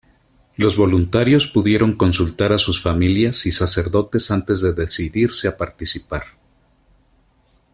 Los voluntarios pudieron consultar a sus familias y sacerdotes antes de decidirse a participar.